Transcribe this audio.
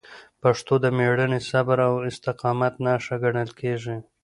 پښتو د میړانې، صبر او استقامت نښه ګڼل کېږي.